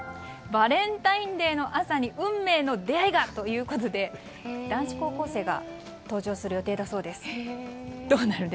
「バレンタインデーの朝に運命の出会いが！？」ということで男子高校生が登場する予定だそうです。